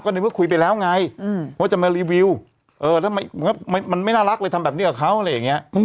ก็นึกว่าคุยไปแล้วไงเขาจะมารีวิวมันไม่น่ารักเลยทำแบบนี้กับเขา